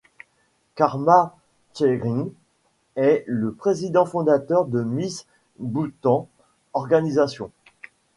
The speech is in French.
Karma Tshering est le président-fondateur de Miss Bhoutan Organisation.